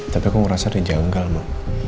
tapi aku ngerasa dia janggal ma